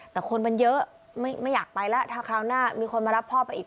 แต่คนมันเยอะไม่อยากไปแล้วถ้าคราวหน้ามีคนมารับพ่อไปอีก